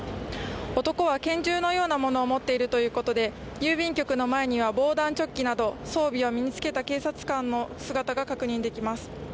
男は拳銃のようなものを持っているということで、郵便局の前には防弾チョッキなど装備を身につけた警察官の姿が確認できます。